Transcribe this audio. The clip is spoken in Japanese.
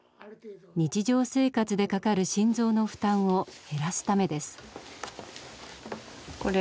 日常生活でかかる心臓の負担を減らすためです。